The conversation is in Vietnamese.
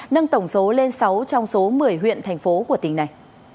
nâng tổng số lên sáu trong số một mươi huyện thành phố của tỉnh này